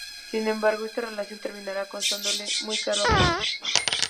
Sin embargo, esta relación terminará costándole muy caro a Fabiola.